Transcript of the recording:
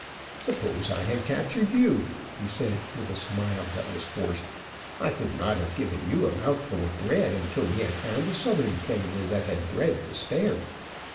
"Suppose I had captured you," he said, with a smile that was forced, "I could not have given you a mouthful of bread, until we had found a southern family that 'had bread to spare.'"